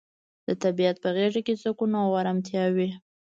د طبیعت په غیږ کې سکون او ارامتیا وي.